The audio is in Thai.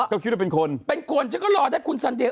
ก็คิดว่าเป็นคนเป็นคนฉันก็รอได้คุณสันเดย